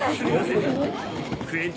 すみません！